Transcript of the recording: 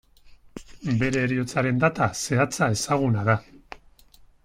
Bere heriotzaren data zehatza ezezaguna da.